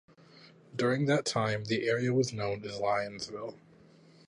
During that time the area was known as Lyonsville.